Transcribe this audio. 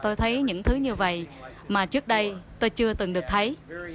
tôi thấy những thứ như vậy mà trước đây tôi chưa từng được thấy